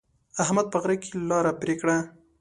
احمد په غره کې لاره پرې کړه.